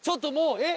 えっ？